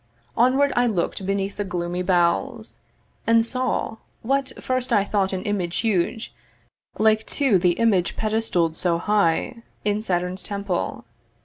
Onward I look'd beneath the gloomy boughs, And saw, what first I thought an image huge, Like to the image pedestal'd so high In Saturn's temple.